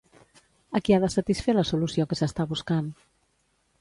A qui ha de satisfer la solució que s'està buscant?